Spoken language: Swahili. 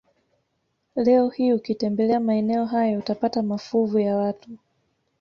Leo hii ukitembelea maeneo hayo utapata mafuvu ya watu